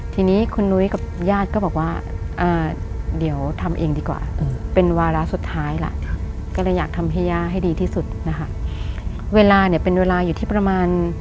ทีนี้คุณนุยกับญาติก็บอกว่าเดี๋ยวทำเองดีกว่า